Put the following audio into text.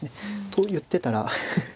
と言ってたら。